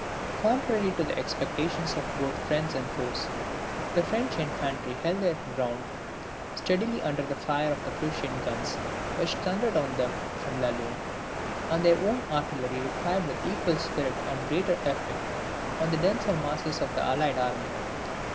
Contrary to the expectations of both friends and foes, the French infantry held their ground steadily under the fire of the Prussian guns, which thundered on them from La Lune; and their own artillery replied with equal spirit and greater effect on the denser masses of the allied army.